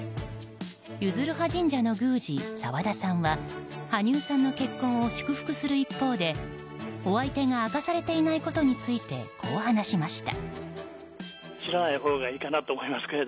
弓弦羽神社の宮司・澤田さんは羽生さんの結婚を祝福する一方でお相手が明かされていないことについてこう話しました。